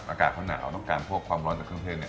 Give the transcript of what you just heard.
อากาศเขาหนาวต้องการพวกความร้อนจากเครื่องเทศเนี่ย